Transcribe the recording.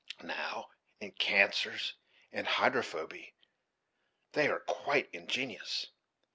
Now in cancers and hydrophoby they are quite ingenious.